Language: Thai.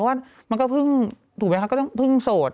เพราะว่ามันก็เพิ่งถูกมั้ยครับก็จะเพิ่งโสด